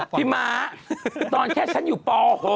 ม้าตอนแค่ฉันอยู่ป๖